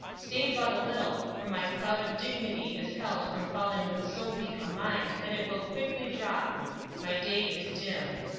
Stay but a little; for my cloud of dignity Is held from falling with so weak a mind That it will quickly drop; my day is dim.